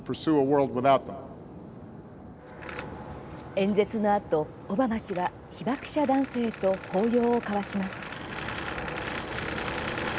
演説のあと、オバマ氏は被爆者男性と抱擁を交わします。